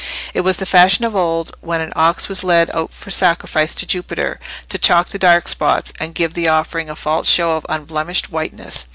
It was the fashion of old, when an ox was led out for sacrifice to Jupiter, to chalk the dark spots, and give the offering a false show of unblemished whiteness.